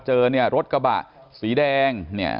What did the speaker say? เจอรถกระบะสีแดงเนี่ย